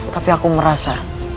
tapi aku merasa